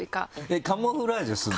カモフラージュするの？